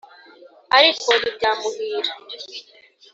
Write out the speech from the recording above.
ariko ntibyamuhira